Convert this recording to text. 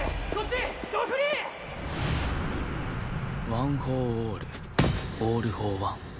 ワンフォーオールオールフォーワン